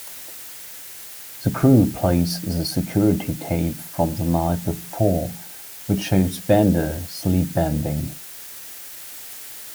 The crew plays the security tape from the night before, which shows Bender "sleep-bending".